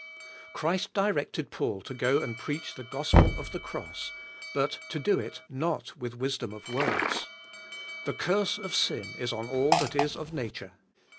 Christ directed Paul to go and preach the Gospel of the cross, but to do it not wath wisdom of words. The curse of sin is on all that is of nature.